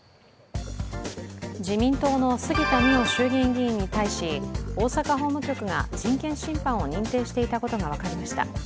自民党の杉田水脈衆議院議員に対し大阪法務局が人権侵犯を認定していたことが分かりました。